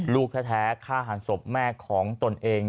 ลูกแท้ฆ่าหันศพแม่ของตนเอง